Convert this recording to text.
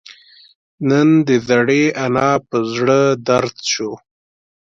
نن د زړې انا پر زړه دړد شو